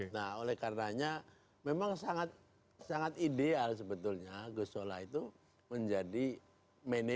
nah oleh karenanya memang sangat ideal sebetulnya ghosnola itu menjadi manajer